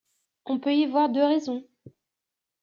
On peut y voir deux raisons.